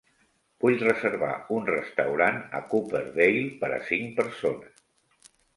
Vull reservar un restaurant a Cooperdale per a cinc persones.